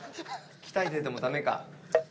鍛えてても駄目か。